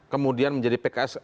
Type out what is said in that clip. kemudian menjadi pks